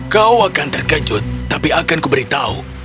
kau akan terkejut tapi akan kuberitahu